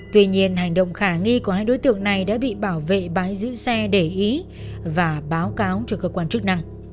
tuy nhiên hành động khả nghi của hai đối tượng này đã bị bảo vệ bãi giữ xe để ý và báo cáo cho cơ quan chức năng